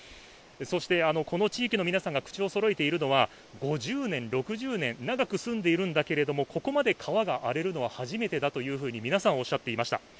そして、この地域の皆さんが口をそろえているのが５０年、６０年、長く住んでいるんだけど、ここまで川が荒れるのは初めてだと皆さんおっしゃっていました。